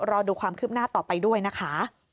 รอดูความคืบหน้าต่อไปด้วยนะคะ